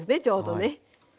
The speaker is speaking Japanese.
ちょうどね。